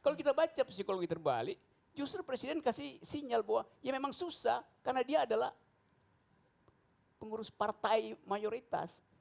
kalau kita baca psikologi terbalik justru presiden kasih sinyal bahwa ya memang susah karena dia adalah pengurus partai mayoritas